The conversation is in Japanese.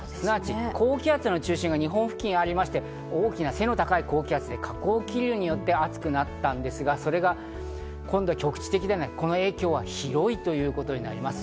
高気圧の中心が日本付近にありまして、大きな背の高い高気圧、下降気流によって暑くなったんですが、今度は局地的ではなく、この影響は広いということになります。